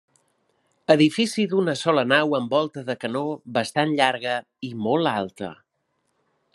Edifici d'una sola nau amb volta de canó bastant llarga i molt alta.